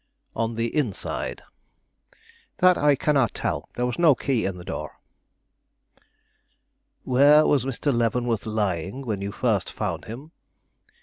"On the inside?" "That I cannot tell; there was no key in the door." "Where was Mr. Leavenworth lying when you first found him?"